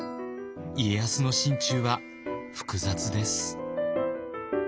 家康の心中は複雑です。